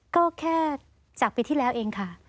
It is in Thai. ก็แค่จากปีที่แล้วเองค่ะ